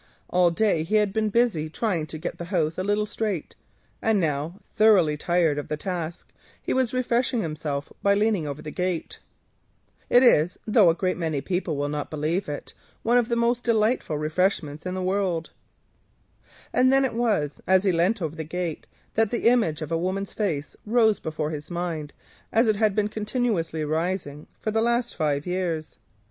All day he had been busy trying to get the house a little straight, and now, thoroughly tired, he was refreshing himself by leaning over a gate. It is, though a great many people will not believe it, one of the most delightful and certainly one of the cheapest refreshments in the world. And then it was, as he leant over the gate, that the image of a woman's face rose before his mind as it had continually risen during the last five years.